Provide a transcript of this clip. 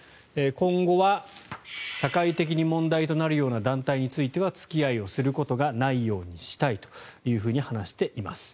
今後は社会的に問題となるような団体については付き合いをすることがないようにしたいと話しています。